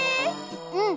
うん！